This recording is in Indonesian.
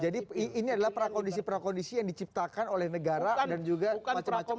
jadi ini adalah prakondisi prakondisi yang diciptakan oleh negara dan juga macam macam